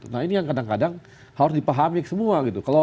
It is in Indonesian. nah ini yang kadang kadang harus dipahami semua gitu